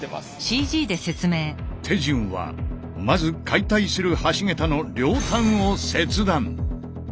手順はまず解体する橋桁の両端を切断。